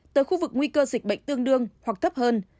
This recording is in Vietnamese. tới khu vực nguy cơ dịch bệnh tương đương hoặc thấp hơn